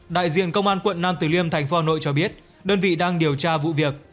đại diện công an quận nam tử liêm thành phố hà nội cho biết đơn vị đang điều tra vụ việc